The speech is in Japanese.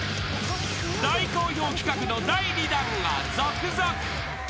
［大好評企画の第２弾が続々］